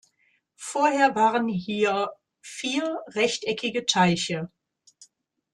Vorher waren hier vier rechteckige Teiche.